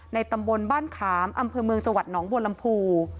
ในตำบลบ้านขามอำเภอเมืองจวัดหนองบวรรณภู